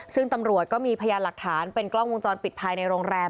ซึ่งตำรวจก็มีพยานหลักฐานเป็นกล้องวงจรปิดภายในโรงแรม